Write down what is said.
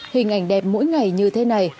hình ảnh đẹp mỗi ngày như thế này